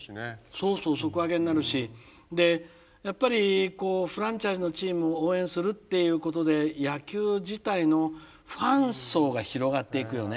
そうそう底上げになるしでやっぱりフランチャイズのチームを応援するっていうことで野球自体のファン層が広がっていくよね。